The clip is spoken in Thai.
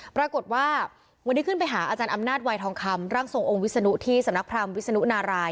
ปรากฏว่าวันนี้ขึ้นไปหาอาจารย์อำนาจวัยทองคำร่างทรงองค์วิศนุที่สำนักพรามวิศนุนาราย